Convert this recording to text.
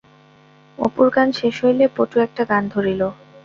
অপুর গান শেষ হইলে পটু একটা গান ধরিল।